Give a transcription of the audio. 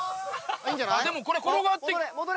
でもこれ転がって。